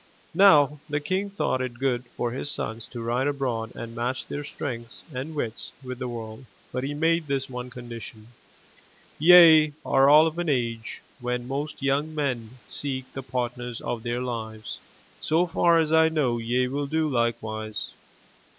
'* Now the King thought it good for his sons to ride abroad and match their strength and wits with the world, but he made this one condition: "Ye are all of an age when most young men seek the partners of their Uves. So far as I know, ye will do likewise.